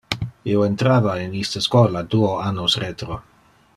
Io entrava in iste schola duo annos retro.